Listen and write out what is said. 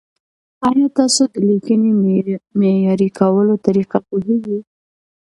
ایا تاسو د لیکنې معیاري کولو طریقه پوهېږئ؟